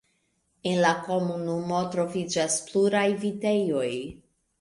En la komunumo troviĝas pluraj vitejoj.